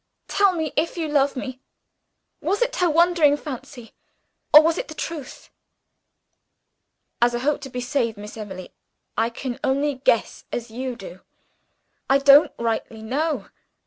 Tell me, if you love me, was it her wandering fancy? or was it the truth?" "As I hope to be saved, Miss Emily, I can only guess as you do I don't rightly know.